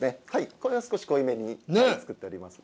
これは少し濃いめに作っております。